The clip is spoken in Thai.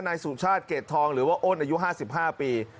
นายสุชาติเกดทองหรือว่าโอนอายุห้าสิบห้าปี